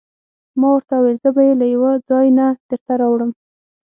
ما ورته وویل: زه به يې له یوه ځای نه درته راوړم.